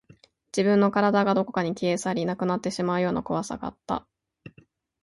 自分の体がどこかに消え去り、なくなってしまうような怖さがあった